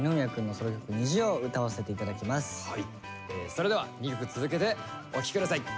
それでは２曲続けてお聴きください。